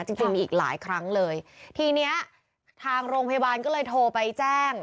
จริงจริงมีอีกหลายครั้งเลยทีเนี้ยทางโรงพยาบาลก็เลยโทรไปแจ้ง